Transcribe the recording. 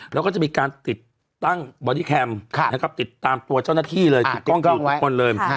แล้วก็จะมีการติดตั้งบอดี้แคมป์นะครับติดตามตัวเจ้าหน้าที่เลยถูกต้องทุกคนเลย